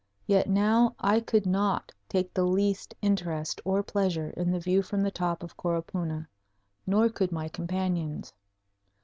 Yet now I could not take the least interest or pleasure in the view from the top of Coropuna, nor could my companions.